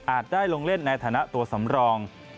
ได้ลงเล่นในฐานะตัวสำรอง